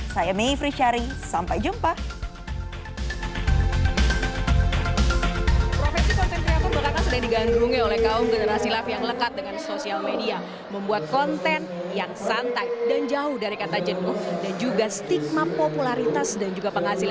saya may frischari sampai jumpa